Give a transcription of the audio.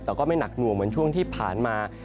แต่ก็ไม่หนักหน่วงเหมือนช่วงที่ผ่านมา